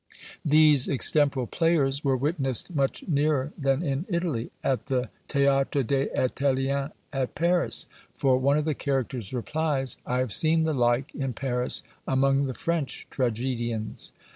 These extemporal players were witnessed much nearer than in Italy at the ThÃ©Ãḃtre des Italiens at Paris for one of the characters replies I have seen the like, In Paris, among the French tragedians.